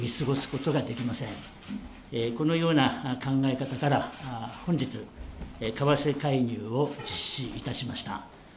このような考え方から本日、為替介入を実施いたしました。